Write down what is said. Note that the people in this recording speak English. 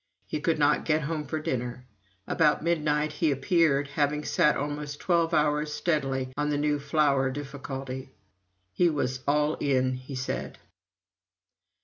He could not get home for dinner. About midnight he appeared, having sat almost twelve hours steadily on the new flour difficulty. He was "all in," he said.